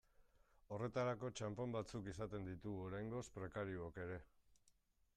Horretarako txanpon batzuk izaten ditugu oraingoz prekariook ere.